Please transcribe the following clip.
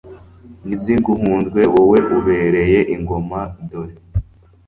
niziguhundwe, wowe ubereye ingoma, dore